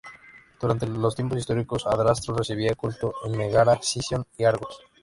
Durante los tiempos históricos, Adrasto recibía culto en Megara, Sición y Argos.